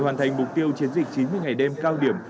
hoàn thành mục tiêu chiến dịch chín mươi ngày đêm cao điểm